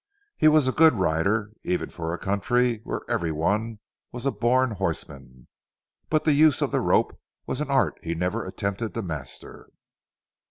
He was a good rider, even for a country where every one was a born horseman, but the use of the rope was an art he never attempted to master.